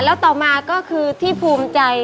แล้วต่อมาก็คือที่ภูมิใจ